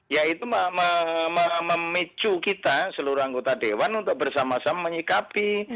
ya itu memicu kita seluruh anggota dewan untuk bersama sama menyikapi